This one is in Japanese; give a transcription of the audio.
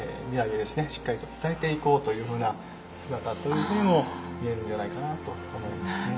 しっかりと伝えていこうというふうな姿というふうにも見えるんじゃないかなと思いますね。